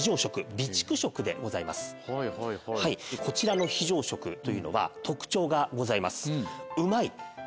こちらの非常食というのは特徴がございます。